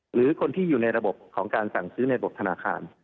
หรือคนที่อยู่ในระบบของการสั่งซื้อในบทธนาคาร